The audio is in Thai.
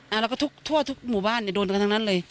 แล้วก็ทุกทั่วทุกหมู่บ้านเนี่ยโดนกันทั้งนั้นเลย